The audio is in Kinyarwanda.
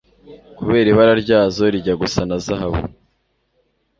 kubera ibara ryazo rijya gusa na Zahabu